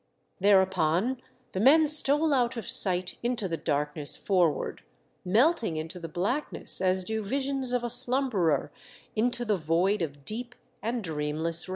Thereupon the men stole out of siofht into the darkness forward, melt ing into the blackness as do visions of a slumberer into the void of deep and dreamless THE GALE BREAKS.